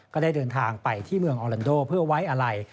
ก็ได้เดินทางไปที่เมืองออลันโดเพื่อไว้อาลัย